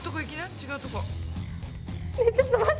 違うとこ。